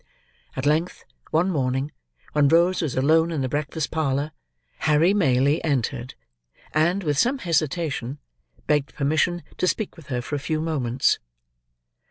At length, one morning, when Rose was alone in the breakfast parlour, Harry Maylie entered; and, with some hesitation, begged permission to speak with her for a few moments.